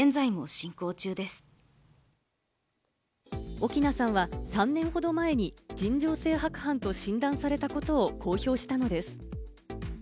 奥菜さんは３年ほど前に尋常性白斑と診断されたことを公表したのです。